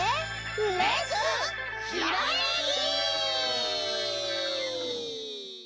「レッツ！ひらめき」！